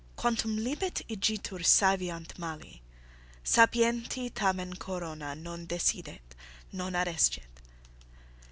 Quantumlibet igitur sæviant mali, sapienti tamen corona non decidet, non arescet.